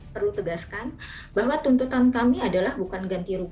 perlu tegaskan bahwa tuntutan kami adalah bukan ganti rugi